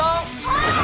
はい！